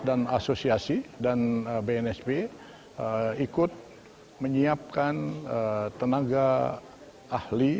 dan asosiasi dan pnsp ikut menyiapkan tenaga ahli